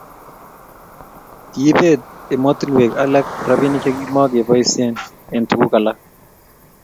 kiibet emotinwek alak robinik che kimukeboisie eng' tuguk alak